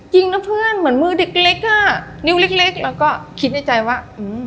จริงนะเพื่อนเหมือนมือเด็กเล็กอ่ะนิ้วเล็กแล้วก็คิดในใจว่า